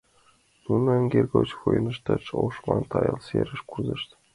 Нуно эҥер гоч вончыштат, ошман тайыл серыш кӱзышт.